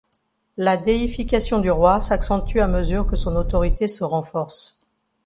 La déification du roi s’accentue à mesure que son autorité se renforce.